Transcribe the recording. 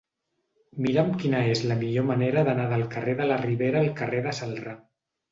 Mira'm quina és la millor manera d'anar del carrer de la Ribera al carrer de Celrà.